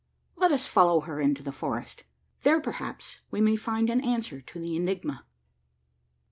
Let us follow her into the forest. There, perhaps, we may find an answer to the enigma.